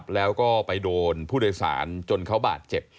แล้วก็ไปโดนผู้โดยสารจนเขาบาดเจ็บ